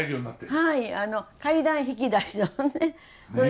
はい階段引き出しのね。